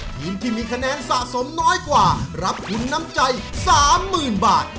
ทีมที่มีคะแนนสะสมน้อยกว่ารับทุนน้ำใจ๓๐๐๐บาท